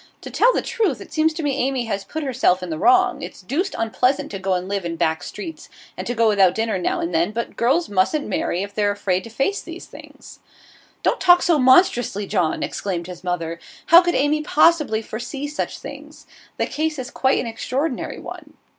To tell the truth, it seems to me Amy has put herself in the wrong. It's deuced unpleasant to go and live in back streets, and to go without dinner now and then, but girls mustn't marry if they're afraid to face these things.' 'Don't talk so monstrously, John!' exclaimed his mother. 'How could Amy possibly foresee such things? The case is quite an extraordinary one.